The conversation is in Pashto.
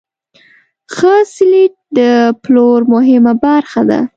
ښه سلیت د پلور مهمه برخه ده.